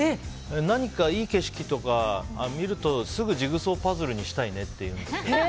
何かいい景色とか見るとすぐジグソーパズルにしたいねって言うんですよね。